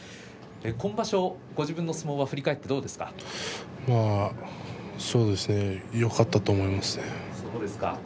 今場所、ご自分の相撲を振り返っていかがですか？